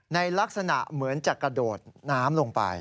ลักษณะเหมือนจะกระโดดน้ำลงไป